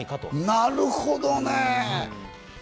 なるほどね。